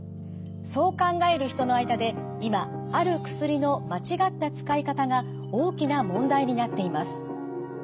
そう考える人の間で今ある薬の間違った使い方が大きな問題になっています。